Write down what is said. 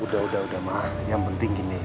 udah udah udah ma yang penting gini